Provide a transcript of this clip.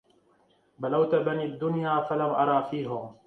بلوت بني الدنيا فلم أرى فيهم